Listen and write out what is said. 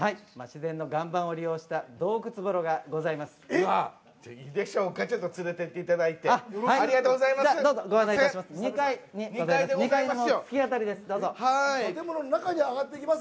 自然の岩盤を利用したお風呂がございます。